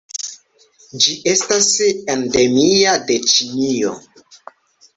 Ĝi estas endemia de Ĉinio.